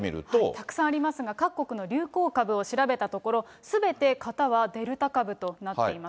たくさんありますが、各国の流行株を調べたところ、すべて型はデルタ株となっています。